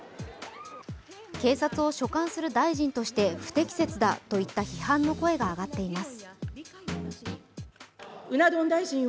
警察を所管する大臣として不適切だといった批判の声が上がっています。